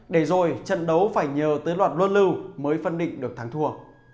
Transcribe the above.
để rồi trận đấu phải nhờ tới loạt luân lưu mới phân định được thắng thua